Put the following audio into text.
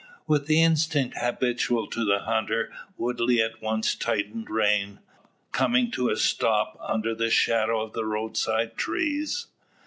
With the instinct habitual to the hunter Woodley at once tightened rein, coming to a stop under the shadow of the roadside trees.